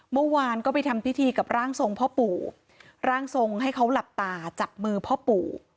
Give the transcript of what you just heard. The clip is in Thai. เมื่อวานก็ไปทำพิธีกับร่างทรงพ่อปู่ร่างทรงให้เขาหลับตาจับมือพ่อปู่